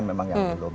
memang yang belum